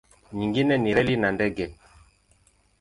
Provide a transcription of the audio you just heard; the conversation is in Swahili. Nyingine ni reli na ndege.